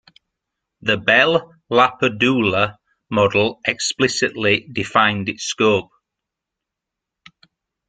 The Bell-LaPadula model explicitly defined its scope.